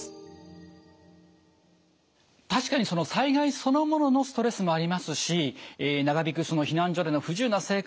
確かに災害そのもののストレスもありますし長引く避難所での不自由な生活